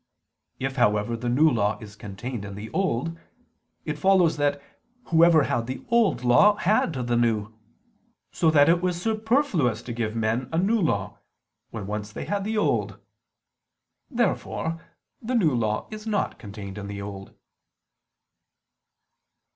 If, therefore, the New Law is contained in the Old, it follows that whoever had the Old Law had the New: so that it was superfluous to give men a New Law when once they had the Old. Therefore the New Law is not contained in the Old.